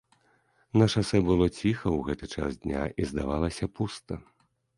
На шасэ было ціха ў гэты час дня і, здавалася, пуста.